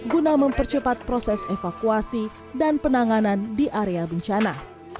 guna mempercepat proses evakuasi dan penanganan di area bencana